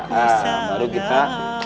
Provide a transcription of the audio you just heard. nah baru kita